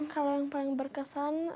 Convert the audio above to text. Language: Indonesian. kalau yang paling berkesan